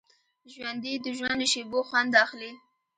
ژوندي د ژوند له شېبو خوند اخلي